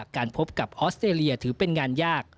การพบกับออสเตรเลียถือเป็นงานยาก